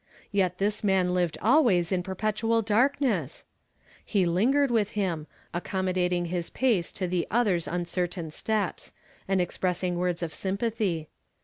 Yet this man lived always in per petual darkness ! He lingered with him, accom modating his pace to the other's uncertain steps, and expressing words of sympathy.